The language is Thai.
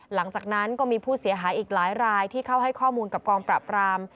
หลังจากนั้นก็มีผู้เสียหายอีกหลายรายที่เข้าให้ข้อมูลกับกองปราบราม